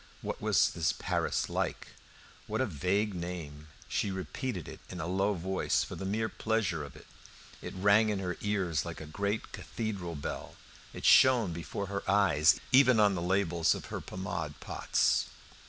What was this Paris like? What a vague name! She repeated it in a low voice, for the mere pleasure of it; it rang in her ears like a great cathedral bell; it shone before her eyes, even on the labels of her pomade pots.